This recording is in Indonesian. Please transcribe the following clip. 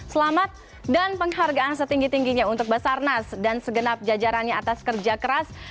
selamat dan penghargaan setinggi tingginya untuk basarnas dan segenap jajarannya atas kerja keras